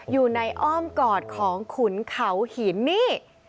อ้อมกอดของขุนเขาหินนี่